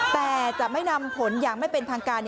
แต่จะไม่นำผลอย่างไม่เป็นทางการ